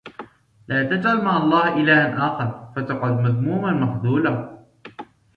لَا تَجْعَلْ مَعَ اللَّهِ إِلَهًا آخَرَ فَتَقْعُدَ مَذْمُومًا مَخْذُولًا